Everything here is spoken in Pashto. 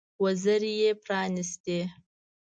وزرې یې پرانيستې.